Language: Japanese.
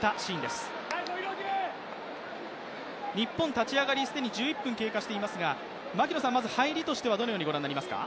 日本、立ち上がり、既に１１分経過していますが、まず入りとしてはどのようにご覧になりますか？